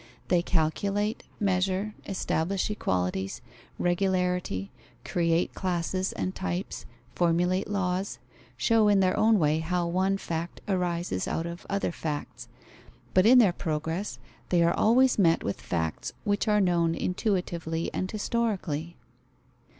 They calculate, measure, establish equalities, regularity, create classes and types, formulate laws, show in their own way how one fact arises out of other facts; but in their progress they are always met with facts which are known intuitively and historically.